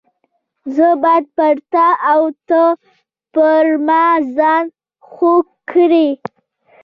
زه باید پر تا او ته پر ما ځان خوږ کړې.